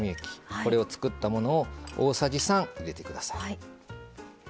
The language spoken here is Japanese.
これを作ったものを大さじ３入れてください。